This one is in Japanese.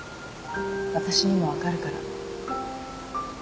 私にも分かるから。